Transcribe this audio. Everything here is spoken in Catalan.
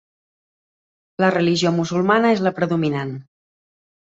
La religió musulmana és la predominant.